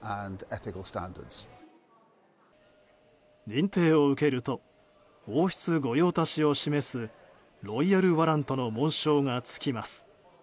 認定を受けると王室御用達を示すロイヤルワラントの紋章が付きます。